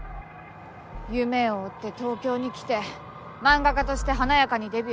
夢を追って東京に来て漫画家として華やかにデビューして。